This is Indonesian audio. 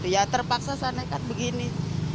ya terpaksa sanaikat begini